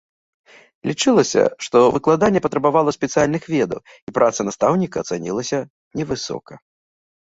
Лічылася, што выкладанне патрабавала спецыяльных ведаў, і праца настаўніка цанілася невысока.